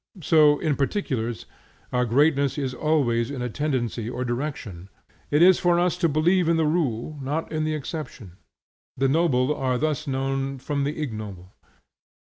So, in particulars, our greatness is always in a tendency or direction, not in an action. It is for us to believe in the rule, not in the exception. The noble are thus known from the ignoble.